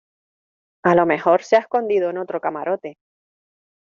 a lo mejor se ha escondido en otro camarote.